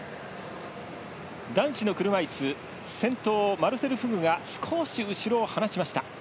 男子の車いす先頭、マルセル・フグが少し後ろを離しました。